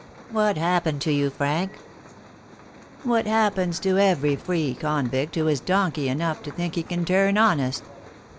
"What happened to you, Frank?" "What happens to every free convict who is donkey enough to think he can turn honest.